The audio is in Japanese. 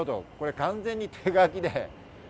完全に手書きで。